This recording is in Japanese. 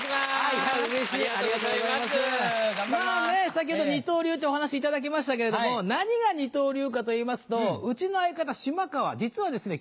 先ほど二刀流ってお話いただきましたけれども何が二刀流かといいますとうちの相方嶋川実はですね